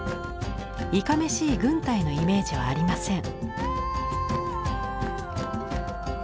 いかめしい軍隊のイメージはありません。